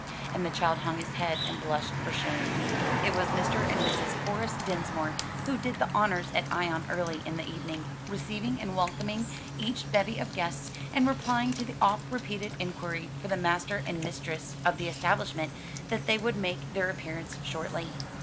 And the child hung his head and blushed for shame. It was Mr. and Mrs. Horace Dinsmore who did the honors at Ion early in the evening, receiving and welcoming each bevy of guests, and replying to the oft repeated inquiry for the master and mistress of the establishment, that they would make their appearance shortly.